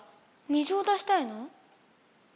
水を出したいの？